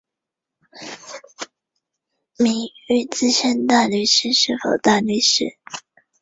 行政中心位于安纳波利斯罗亚尔。